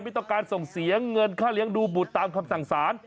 ไม่ต้องการส่งเสียเงินค่าเลี้ยงดูบุตรตามคำสั่งสาร